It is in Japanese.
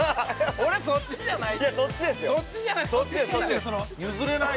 ◆俺、そっちじゃない。